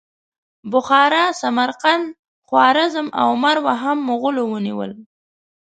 بخارا، سمرقند، خوارزم او مرو هم مغولو ونیول.